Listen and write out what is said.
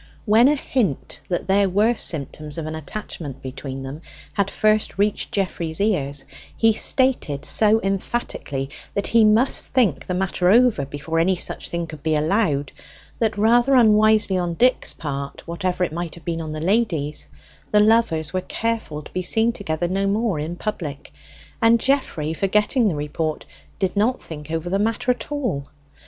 When a hint that there were symptoms of an attachment between them had first reached Geoffrey's ears, he stated so emphatically that he must think the matter over before any such thing could be allowed that, rather unwisely on Dick's part, whatever it might have been on the lady's, the lovers were careful to be seen together no more in public; and Geoffrey, forgetting the report, did not think over the matter at all.